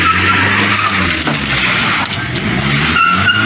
รถมันต่อไปเสียเนอะ